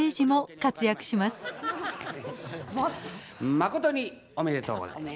誠におめでとうございます。